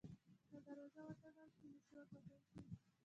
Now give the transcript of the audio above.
که دروازه وتړل شي، نو شور به کم شي.